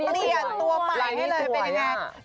เปลี่ยนตัวใหม่ให้เลยเป็นยังไง